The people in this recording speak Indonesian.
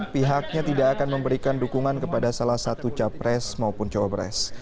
pihaknya tidak akan memberikan dukungan kepada salah satu capres maupun cawapres